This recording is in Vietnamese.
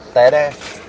chú hiểu không